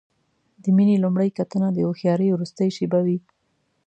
د مینې لومړۍ کتنه د هوښیارۍ وروستۍ شېبه وي.